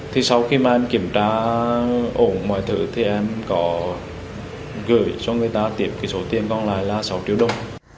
thì sau khi mà em kiểm tra ổ mọi thứ thì em có gửi cho người ta tiếp cái số tiền còn lại là sáu triệu đồng